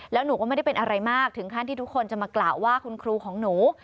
แล้วหนูก็ไม่ได้เป็นอะไรมากถึงขั้นที่ทุกคนจะมากล่าวว่าคุณครูของหนู